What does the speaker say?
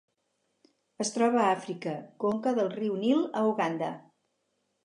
Es troba a Àfrica: conca del riu Nil a Uganda.